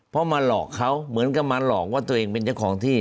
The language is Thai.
เพราะมาหลอกเขาเหมือนกับมาหลอกว่าตัวเองเป็นเจ้าของที่